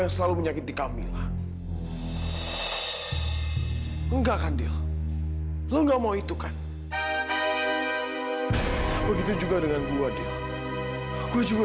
kamu jangan paksakan diri kamu kamu itu baru siuman